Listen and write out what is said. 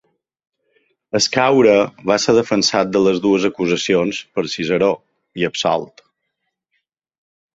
Escaure va ser defensat de les dues acusacions per Ciceró i absolt.